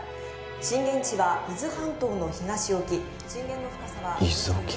震源地は伊豆半島の東沖震源の深さは伊豆沖？